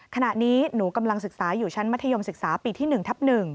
ขณะนี้หนูกำลังศึกษาอยู่ชั้นมัธยมศึกษาปีที่๑ทับ๑